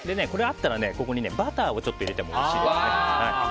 あったらここにバターを入れてもおいしいです。